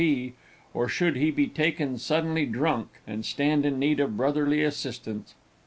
P.; or should he be taken suddenly drunk, and stand in need of brotherly assistance.